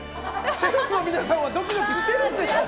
シェフの皆さんはドキドキしているんでしょうか。